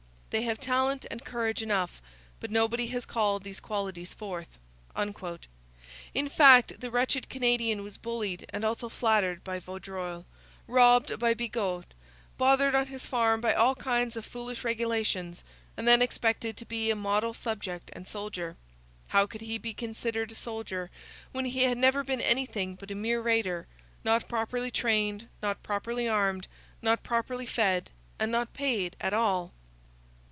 They have talent and courage enough, but nobody has called these qualities forth.' In fact, the wretched Canadian was bullied and also flattered by Vaudreuil, robbed by Bigot, bothered on his farm by all kinds of foolish regulations, and then expected to he a model subject and soldier. How could he be considered a soldier when he had never been anything but a mere raider, not properly trained, not properly armed, not properly fed, and not paid at all?